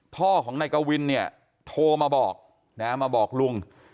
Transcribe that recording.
พ่อของนายกวินเนี่ยโทรมาบอกนะมาบอกลุง